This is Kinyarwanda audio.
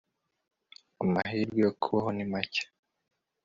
Amahirwe yo kubaho ni make